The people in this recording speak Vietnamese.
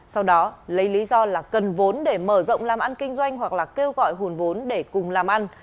sau đó lấy lý do là cần vốn để mở rộng làm ăn kinh doanh hoặc là kêu gọi nguồn vốn để cùng làm ăn